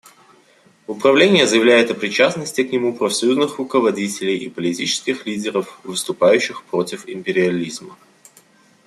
Управление заявляет о причастности к нему профсоюзных руководителей и политических лидеров, выступающих против империализма.